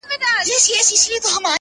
ویښ مي له پېړیو په خوب تللي اولسونه دي٫